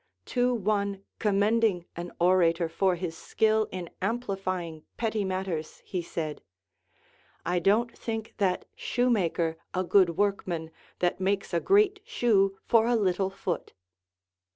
To one commending an orator for his skill in amplifying petty matters he said, I don't think that shoemaker a good workman that makes a great shoe for a little foot.